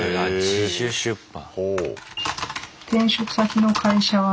自主出版。